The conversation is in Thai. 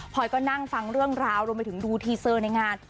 พอยก็นั่งฟังเรื่องราวรวมไปถึงดูทีเซอร์ในงาน